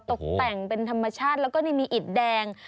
ตกแต่งเป็นธรรมชาติแล้วก็นี่มีอิดแดง